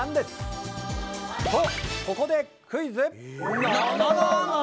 とここでクイズ。